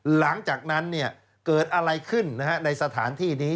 หลังจากนั้นเนี่ยเกิดอะไรขึ้นนะฮะในสถานที่นี้